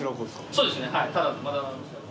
そうですね